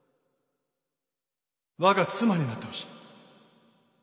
我が妻になってほしい。